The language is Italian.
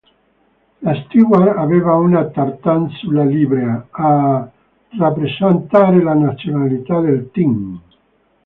La Stewart aveva una tartan sulla livrea, a rappresentare la nazionalità del team.